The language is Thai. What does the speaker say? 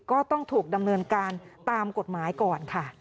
ก็ต้องถูกดำเนินการตามกฎหมายก่อนค่ะ